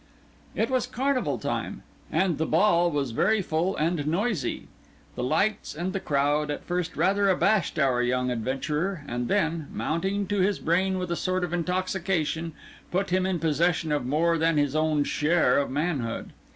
It was Carnival time, and the Ball was very full and noisy. The lights and the crowd at first rather abashed our young adventurer, and then, mounting to his brain with a sort of intoxication, put him in possession of more than his own share of manhood.